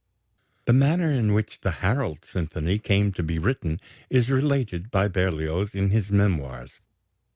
The manner in which the "Harold" symphony came to be written is related by Berlioz in his Memoirs.